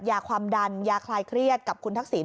ยาความดันยาคลายเครียดกับคุณทักษิณ